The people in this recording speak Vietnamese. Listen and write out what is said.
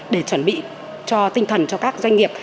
để chuẩn bị cho tinh thần cho các doanh nghiệp